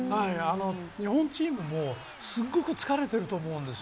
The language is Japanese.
日本チームもすごく疲れていると思うんです。